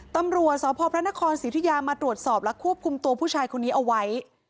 ตำรวจสพพระนครสิทธิยามาตรวจสอบและควบคุมตัวผู้ชายคนนี้เอาไว้